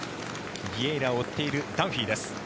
ビエイラを追っているダンフィーです。